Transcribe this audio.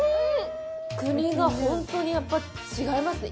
栗が本当にやっぱり違いますね。